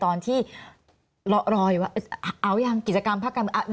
ตอนที่รอยว่าเอายังกิจกรรมภักดิ์การเกิดใหม่